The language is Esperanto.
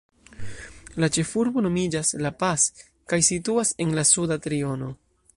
La ĉefurbo nomiĝas La Paz kaj situas en la suda triono.